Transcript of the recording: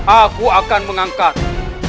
aku akan mengangkatmu